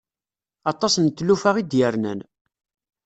Aṭas n tlufa i d-yernan.